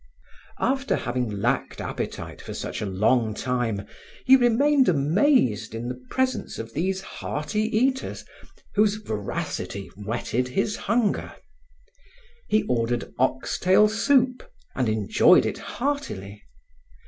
After having lacked appetite for such a long time, he remained amazed in the presence of these hearty eaters whose voracity whetted his hunger. He ordered oxtail soup and enjoyed it heartily.